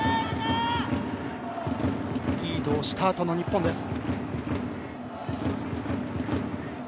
リードしたあとの日本です。